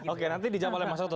oke nanti dijawab oleh mas otot